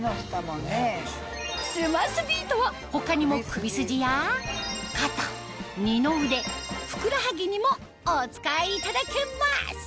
スマスビートは他にも首筋や肩二の腕ふくらはぎにもお使いいただけます